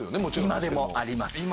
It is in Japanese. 今でもありますよね？